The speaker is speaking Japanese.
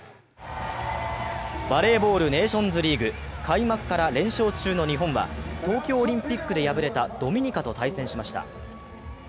バレーボールネーションズリーグ、開幕から連勝中の日本は東京オリンピックで敗れたドミニカと対戦しました。